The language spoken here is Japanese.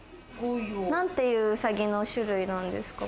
なんていううさぎの種類なんですか？